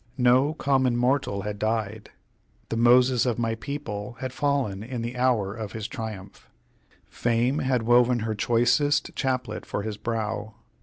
No common mortal had died. The Moses of my people had fallen in the hour of his triumph. Fame had woven her choicest chaplet for his brow.